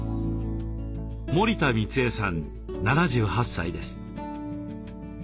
森田光江さん７８歳です。